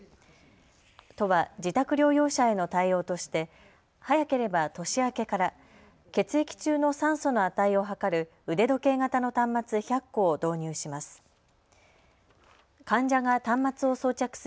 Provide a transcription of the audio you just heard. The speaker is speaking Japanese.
都は自宅療養者への対応として早ければ年明けから血液中の酸素の値を測る腕時計型の端末１００個を導入します。